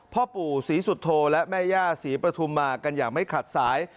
พ่อปู่ศรีสุโธและแม่ย่าศรีปฐุมมากันอย่างไม่ขาดสาย